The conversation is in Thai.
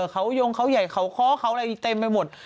เขายงเขาใหญ่เขาค้อเขาอะไรเต็มไปหมด